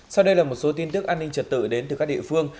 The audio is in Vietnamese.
sau đây là một số tin tức an ninh trật tự đến từ các địa phương